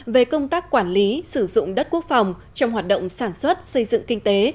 về công tác quản lý sử dụng đất quốc phòng trong hoạt động sản xuất xây dựng kinh tế